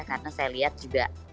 karena saya lihat juga